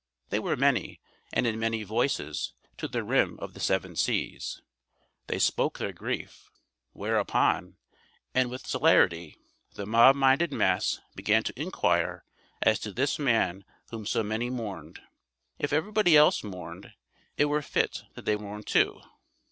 They were many, and in many voices, to the rim of the Seven Seas, they spoke their grief. Whereupon, and with celerity, the mob minded mass began to inquire as to this man whom so many mourned. If everybody else mourned, it were fit that they mourn too.